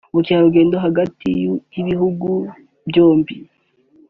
ubukerarugendo hagati y’ibihugu byombi